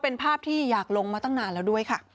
เป็นภาพที่อยากลงมาตั้งนานแล้วด้วยค่ะ